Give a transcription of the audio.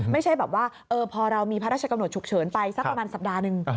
ไม่ใช่แบบว่าพอเรามีพระราชกำหนดฉุกเฉินไปสักประมาณสัปดาห์หนึ่ง